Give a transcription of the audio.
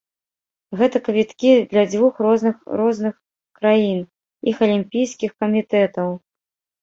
Гэта квіткі для дзвюх розных розных краін, іх алімпійскіх камітэтаў.